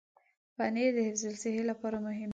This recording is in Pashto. پنېر د حفظ الصحې لپاره مهم دی.